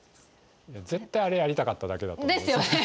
絶対あれやりたかっただけだと。ですよね。